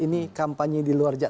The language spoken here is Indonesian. kita lagi beda beda